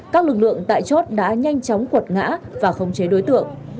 các lực lượng tại chốt đã nhanh chóng quật ngã và không chế đối tượng